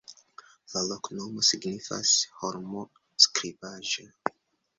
La loknomo signifas: holmo-skribaĵa.